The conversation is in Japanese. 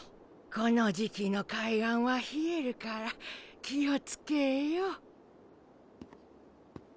この時期の海岸は冷えるから気を付けぇよ。